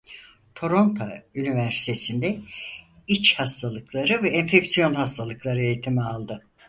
Toronto Üniversitesi'nde iç hastalıkları ve enfeksiyon hastalıkları eğitimi aldı.